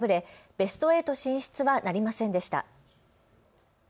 ベスト８進出はなりませんでした。